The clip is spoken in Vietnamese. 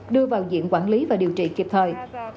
đưa vào diện quản lý và điều trị kịp thời